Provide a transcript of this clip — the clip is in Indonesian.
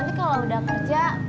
nanti kalau udah kerja